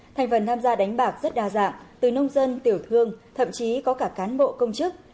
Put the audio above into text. thành phần tham gia đánh bạc rất đa dạng từ nông dân tiểu thương thậm chí có cả cán bộ công chức